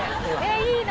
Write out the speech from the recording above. いいな。